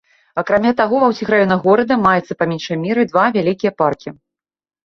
Акрамя таго, ва ўсім раёнах горада маецца па меншай меры два вялікія паркі.